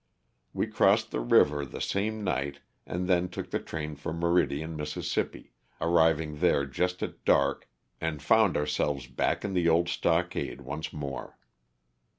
We crossed the river the same night and then took the train for Meridian, Miss., arriving there just at dark and found ourselves back in the old stockade once more.